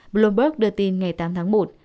bloomberg đưa tin ngày tám tháng một